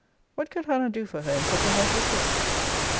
What could Hannah do for her in such a house as this?